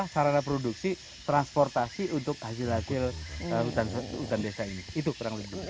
sarana produksi transportasi untuk hasil hasil hutan desa ini